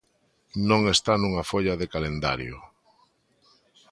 Non está nunha folla de calendario.